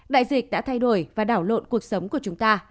đại dịch đã thay đổi và đảo lộn cuộc sống của chúng ta